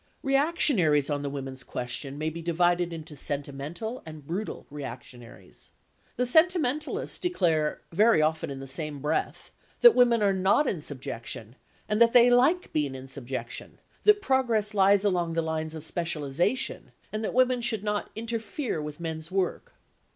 Reactionaries on the women's question may be divided into sentimental and brutal reactionaries. The sentimentalists declare (very often in the same breath) that women are not in subjection, and that they like being in subjection, that progress lies along the lines of specialisation, and that women should not "interfere" with men's work.